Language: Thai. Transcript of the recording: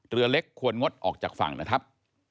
เรือเล็กควรงดออกจากฝั่งนะครับ